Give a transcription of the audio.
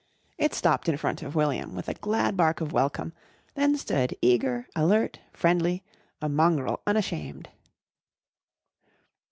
It stopped in front of William with a glad bark of welcome, then stood eager, alert, friendly, a mongrel unashamed.